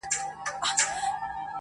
• خدای به یې کله عرضونه واوري -